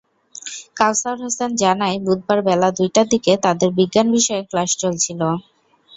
কাওছার হোসেন জানায়, বুধবার বেলা দুইটার দিকে তাদের বিজ্ঞান বিষয়ের ক্লাস চলছিল।